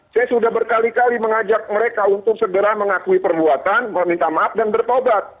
saya sudah berkali kali mengajak mereka untuk segera mengakui perbuatan meminta maaf dan bertobat